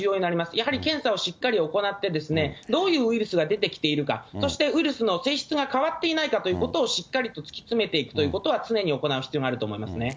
やはり検査をしっかり行って、どういうウイルスが出てきているか、そしてウイルスの性質が変わっていないかということをしっかりと突き詰めていくということは、常に行う必要があると思いますね。